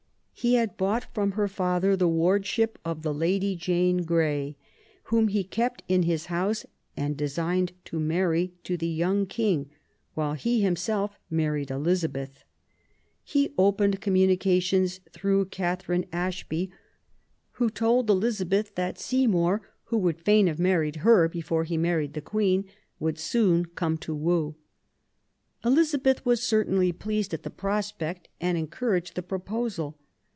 He had bought from her father the wardship of the Lady Jane Grey, whom he kept in his house and designed to marry to the young King, while he himself married Elizabeth. He opened communications through Catherine Ashley, who told Elizabeth that Seymour, who would fain have married her before he married the Queen, would soon come to woo. Elizabeth was certainly pleased at the pro spect, and encouraged the proposal.